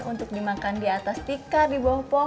untuk dimakan di atas tikar di bawah pohon